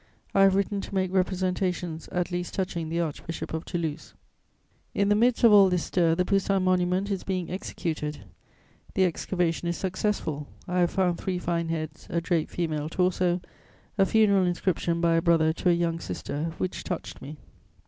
I have written to make representations at least touching the Archbishop of Toulouse. "In the midst of all this stir, the Poussin monument is being executed; the excavation is successful; I have found three fine heads, a draped female torso, a funeral inscription by a brother to a young sister, which touched me.